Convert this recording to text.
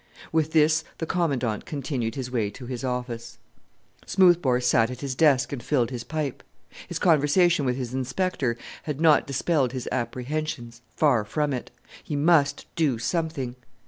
With this the Commandant continued his way to his office. Smoothbore sat at his desk, and filled his pipe. His conversation with his Inspector had not dispelled his apprehensions far from it. He must do something.